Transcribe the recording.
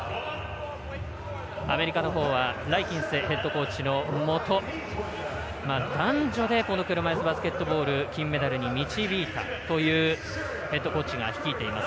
アメリカのほうはライキンズヘッドコーチのもと男女で車いすバスケットボール金メダルに導いたというヘッドコーチが率いています。